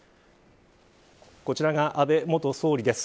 こちらが安倍元総理です。